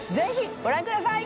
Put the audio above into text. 爾ご覧ください！